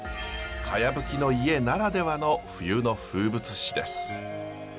茅葺きの家ならではの冬の風物詩です。